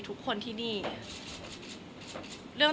แต่ขวัญไม่สามารถสวมเขาให้แม่ขวัญได้